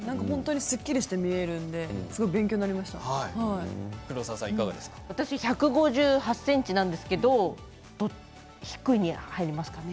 すっきりして見えるので私、１５８ｃｍなんですけど低いに入りますかね？